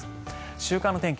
週間の天気